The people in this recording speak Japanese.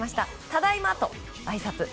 ただいま！とあいさつ。